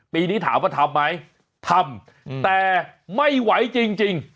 ปีนี้ถามว่าทำไหมทำแต่ไม่ไหวจริง